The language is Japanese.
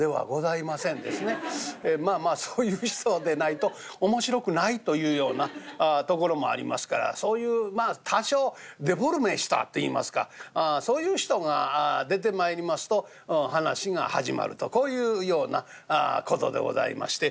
まあまあそういう人でないと面白くないというようなところもありますからそういう多少デフォルメしたといいますかそういう人が出てまいりますと噺が始まるとこういうような事でございまして。